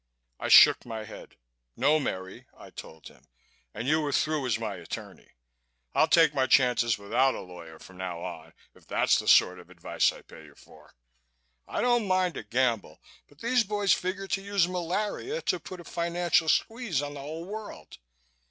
I shook my head. "No, Merry," I told him, "and you are through as my attorney. I'll take my chances without a lawyer from now on, if that's the sort of advice I pay you for. I don't mind a gamble but these boys figure to use malaria to put a financial squeeze on the whole world.